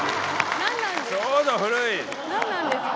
なんなんですか？